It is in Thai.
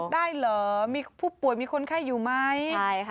ขอถ่ายภาพแก้เครียด